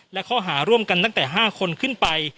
และข้อหาร่วมกันตั้งแต่๕คนขึ้นไป